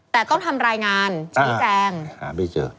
แต่ต้องทำรายงานชี้แจง